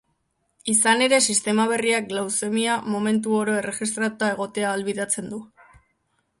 Izan ere, sistema berriak gluzemia momentu oro erregistratuta egotea ahalbidetzen du.